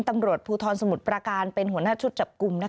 ตำรวจภูทรสมุทรประการเป็นหัวหน้าชุดจับกลุ่ม